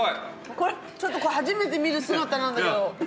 これちょっと初めて見る姿なんだけど！